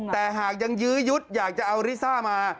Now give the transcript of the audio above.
แต่หากยังยื้อยุดอยากจะเอาลิซ่ามา